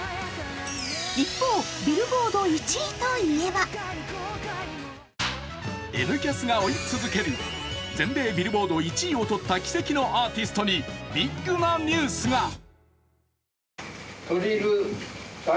一方、ビルボード１位といえば「Ｎキャス」が追い続ける全米ビルボード１位を取った奇跡のアーティストにビッグなニュースが。